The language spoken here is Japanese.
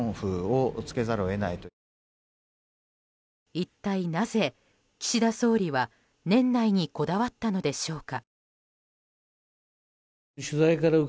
一体なぜ、岸田総理は年内にこだわったのでしょうか。